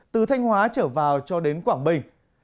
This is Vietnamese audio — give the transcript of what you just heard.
từ thanh hóa trở vào cho đến quảng bình